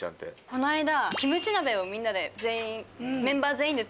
この間。